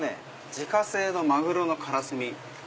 自家製のマグロのカラスミ。